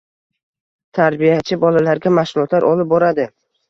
Tarbiyachi bolalarga mashg'ulotlar olib boradi